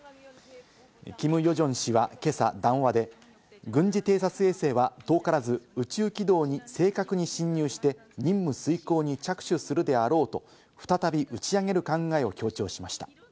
キム・ヨジョン氏は今朝、談話で軍事偵察衛星は遠からず宇宙軌道に正確に進入して任務遂行に着手するであろうと、再び打ち上げる考えを強調しました。